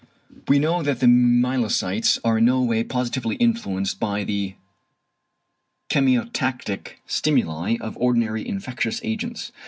We know that the myelocytes are in no way positively influenced by the chemiotactic stimuli of ordinary infectious agents.